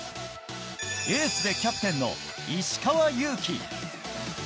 エースでキャプテンの石川祐希。